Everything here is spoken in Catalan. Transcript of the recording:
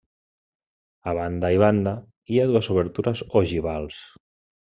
A banda i banda hi ha dues obertures ogivals.